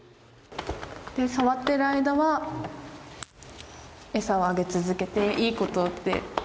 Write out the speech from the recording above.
触ってる間はエサをあげ続けて「いいこと」と。